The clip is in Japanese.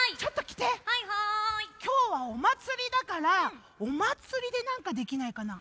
きょうはおまつりだからおまつりでなんかできないかな？